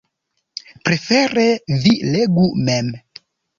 Prefere, vi legu mem.